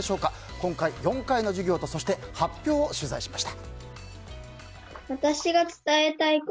今回、４回の授業と発表を取材しました。